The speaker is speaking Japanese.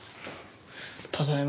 ただいま。